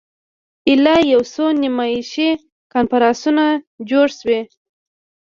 ایله یو څو نمایشي کنفرانسونه جوړ شوي.